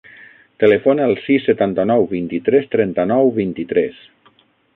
Telefona al sis, setanta-nou, vint-i-tres, trenta-nou, vint-i-tres.